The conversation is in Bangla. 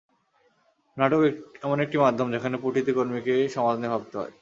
নাটক এমন একটি মাধ্যম, যেখানে প্রতিটি কর্মীকেই সমাজ নিয়ে ভাবতে হয়।